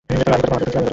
আমি কতক্ষণ অচেতন ছিলাম?